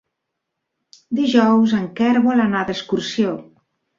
Dijous en Quer vol anar d'excursió.